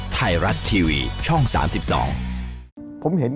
การเลือกตัว